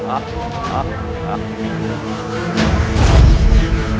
aku akan menang